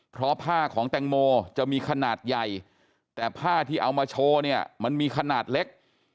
เพราะผ้าของแตงโมจะมีขนาดใหญ่แต่ผ้าที่เอามาโชว์เนี่ยมันมีขนาดเล็ก